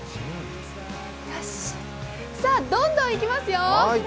よし、さぁ、どんどんいきますよ。